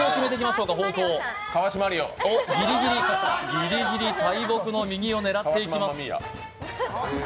ぎりぎり大木の右を狙っていきます。